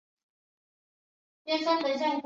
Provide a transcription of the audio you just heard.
我们看了看时间